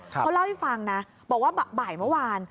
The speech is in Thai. เขาเล่าให้ฟังนะบอกว่าบ่ายเมื่อวาน